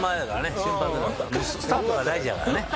スタートは大事やからね。